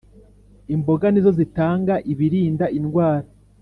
imboga ni zo zitanga ibirinda indwara.